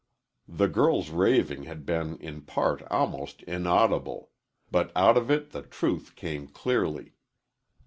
The girl's raving had been in part almost inaudible, but out of it the truth came clearly.